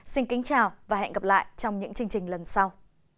xin kính chào và hẹn gặp lại trong những chương trình lần sau